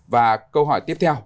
và câu hỏi tiếp theo